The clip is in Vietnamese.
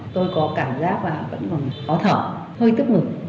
tôi có cảm giác là vẫn còn khó thở hơi tức ngực